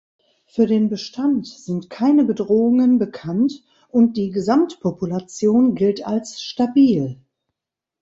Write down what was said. Für den Bestand sind keine Bedrohungen bekannt und die Gesamtpopulation gilt als stabil.